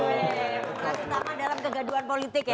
pemeran utama dalam kegaduhan politik ya